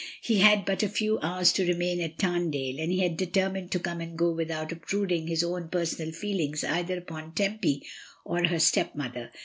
He had but a few hours to remain at Tamdale, and he had determined to come and go without obtruding his own personal feelings either upon Tempy or her stepmother.